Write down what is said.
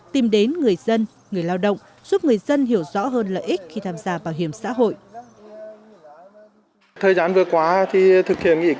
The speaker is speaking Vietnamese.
tìm đến người dân người lao động giúp người dân hiểu rõ hơn lợi ích khi tham gia bảo hiểm xã hội